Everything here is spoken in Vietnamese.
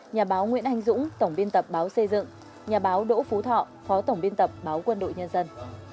nhà báo nguyễn anh dũng tổng biên tập báo xây dựng nhà báo đỗ phú thọ phó tổng biên tập báo quân đội nhân dân